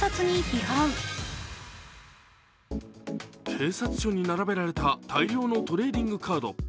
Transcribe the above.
警察署に並べられた大量のトレーディングカード。